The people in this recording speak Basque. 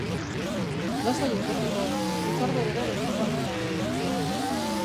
Lasai egoteko, Rikardo berarekin joan dela anbulantzian.